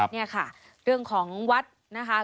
นี่ค่ะเรื่องของวัดนะคะ